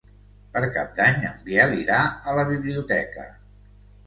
Per Cap d'Any en Biel irà a la biblioteca.